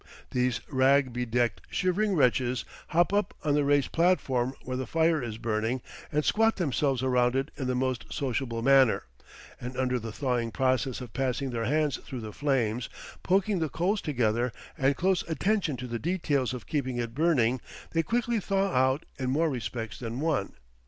These rag bedecked, shivering wretches hop up on the raised platform where the fire is burning and squat themselves around it in the most sociable manner; and under the thawing process of passing their hands through the flames, poking the coals together, and close attention to the details of keeping it burning, they quickly thaw out in more respects than one.